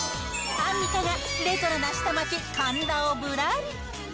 アンミカがレトロな下町、神田をぶらり。